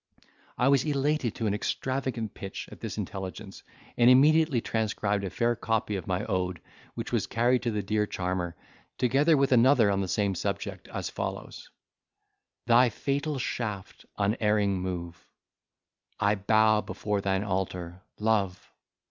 I was elated to an extravagant pitch at this intelligence, and immediately transcribed a fair copy of my Ode, which was carried to the dear charmer, together with another on the same subject, as follows:— Thy fatal shaft unerring move; I bow before thine altar, Love!